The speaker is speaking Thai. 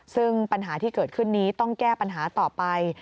ซึ่งปัญหาที่เกิดขึ้นนี้ต้องแก้ปัญหาต่อไป